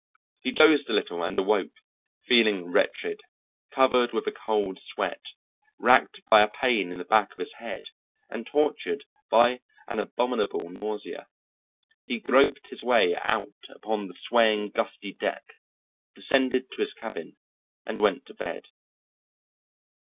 He dozed a little and awoke, feeling wretched, covered with a cold sweat, racked by a pain in the back of his head, and tortured by an abominable nausea. He groped his way out upon the swaying, gusty deck, descended to his cabin, and went to bed.